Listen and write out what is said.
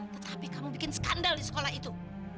tetapi kamu bikin skandal di sekolah itu